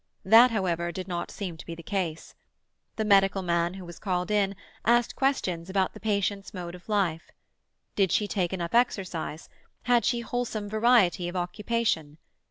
That, however, did not seem to be the case. The medical man who was called in asked questions about the patient's mode of life. Did she take enough exercise? Had she wholesome variety of occupation?